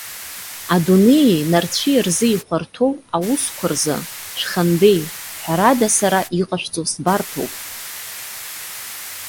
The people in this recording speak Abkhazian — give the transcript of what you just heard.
Адунеии нарцәи рзы ихәарҭоу аусқәарзы шәхандеи, ҳәарада сара иҟашәҵо сбарҭоуп.